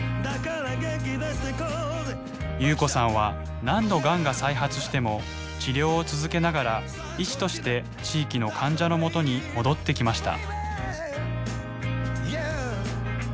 夕子さんは何度がんが再発しても治療を続けながら医師として地域の患者のもとに戻ってきました。